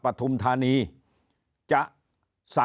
การดำเนินการใด